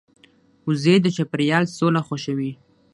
وزې د چاپېریال سوله خوښوي